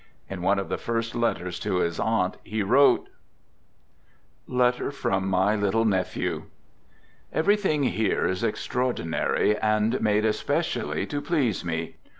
In one of the first letters to his aunt he wrote: (Letter from "My Little Nephew") Everything here is extraordinary, and made espe cially to please me